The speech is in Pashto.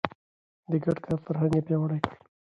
د ګډ کار فرهنګ يې پياوړی کړ.